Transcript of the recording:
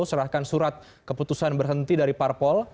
serahkan surat keputusan berhenti dari parpol